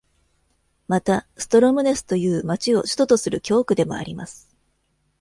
また、ストロムネスという町を首都とする教区でもあります。